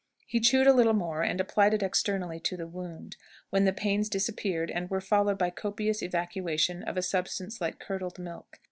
He chewed a little more, and applied it externally to the wound, when the pains disappeared, and were followed by a copious evacuation of a substance like curdled milk.